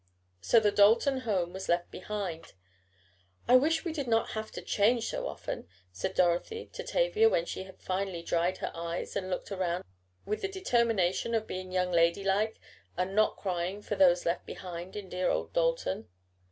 So the Dalton home was left behind. "I wish we did not have to change so often," said Dorothy to Tavia, when she had finally dried her eyes and looked around with the determination of being young lady like, and not crying for those left behind in dear old Dalton.